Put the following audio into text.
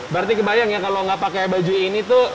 berarti kebayang ya kalau nggak pakai baju ini tuh